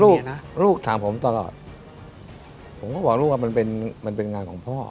นะลูกถามผมตลอดผมก็บอกลูกว่ามันเป็นมันเป็นงานของพ่อ